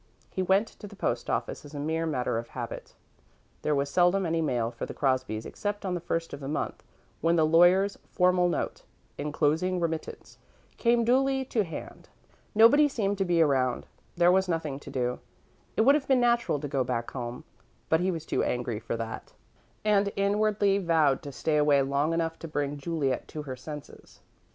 He went to the post office as a mere matter of habit; there was seldom any mail for the Crosbys except on the first of the month, when the lawyer's formal note, "enclosing remittance," came duly to hand. Nobody seemed to be around there was nothing to do. It would have been natural to go back home, but he was too angry for that, and inwardly vowed to stay away long enough to bring Juliet to her senses.